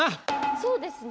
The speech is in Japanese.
そうですね？